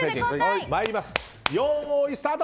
よーい、スタート！